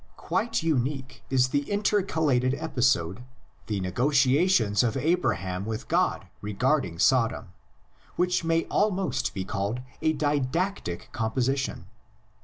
Quite unique is the intercalated episode, the negotiations of Abraham with God regarding Sodom, which may almost be called a didactic com position.